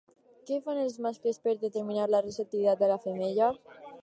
Què fan els mascles per determinar la receptivitat de la femella?